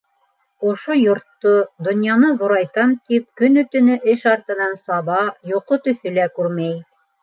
Ошо йортто, донъяны ҙурайтам тип, көнө-төнө эш артынан саба, йоҡо төҫө лә күрмәй.